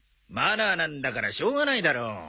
マナーなんだからしょうがないだろ。